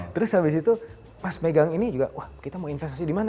terus habis itu pas megang ini juga wah kita mau investasi di mana